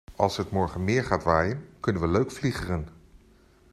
Als het morgen meer gaat waaien kunnen we leuk vliegeren.